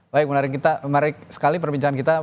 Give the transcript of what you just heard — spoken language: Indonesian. baik menarik sekali perbincangan kita